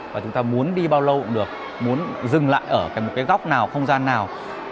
và chúng ta muốn đi bao lâu cũng được muốn dừng lại ở cái góc nào không gian nào